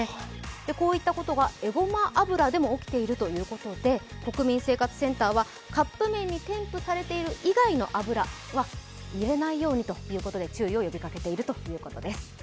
こういったことが、えごま油でも起きているということで、国民生活センターは、カップ麺に添付されている以外の油は入れないようにということで注意を呼びかけているということです。